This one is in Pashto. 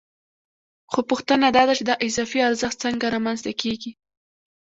خو پوښتنه دا ده چې دا اضافي ارزښت څنګه رامنځته کېږي